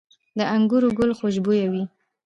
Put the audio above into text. د انګورو ګل خوشبويه وي؟